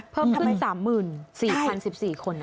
เพิ่มขึ้น๓๔๐๑๔คน